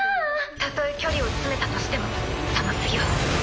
たとえ距離を詰めたとしてもその次は。